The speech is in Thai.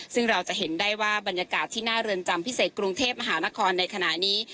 ซึ่งเราจะเห็นได้ว่าบรรยากาศที่หน้าเรือนจำพิเศษกรุงเทพมหานครในขณะนี้